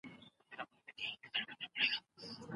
صبر سیاسي ارزښت لري.